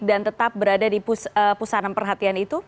dan tetap berada di pusaran perhatian itu